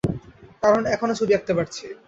কারণ, এখনো ছবি আঁকতে পারছি।